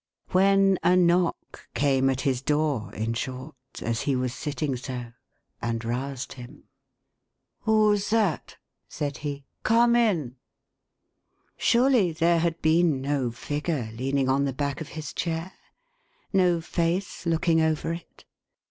—When a knock came at his door, in short, as he was sitting so, and roused him. " Who's that ?" said he. « Come in !" Surely there had been no figure leaning on the back of his chair, no face looking over it.